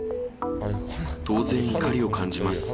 当然怒りを感じます。